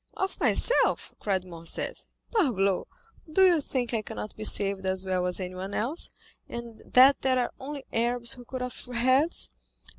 "Of myself," cried Morcerf; "parbleu! do you think I cannot be saved as well as anyone else, and that there are only Arabs who cut off heads?